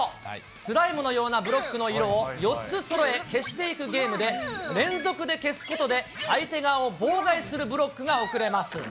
スライムのようなブロックの色を４つそろえ、消していくゲームで、連続で消すことで、相手側を妨害するブロックが送れます。